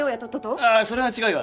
ああそれは違うよ